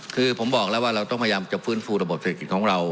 คือผมบอกแล้วว่าเราต้องพยายามจะฟื้นฟูระบบเศรษฐกิจของเรา